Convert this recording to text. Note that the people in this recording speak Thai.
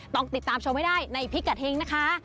ต้องติดตามชมให้ได้ในพิกัดเฮงนะคะ